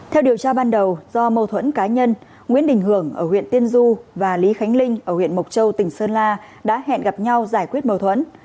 theo điều tra ban đầu do mâu thuẫn cá nhân nguyễn đình hưởng ở huyện tiên du và lý khánh linh ở huyện mộc châu tỉnh sơn la đã hẹn gặp nhau giải quyết mâu thuẫn